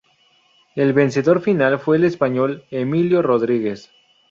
El vencedor final fue el español Emilio Rodríguez.